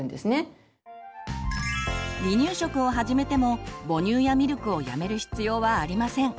離乳食を始めても母乳やミルクをやめる必要はありません。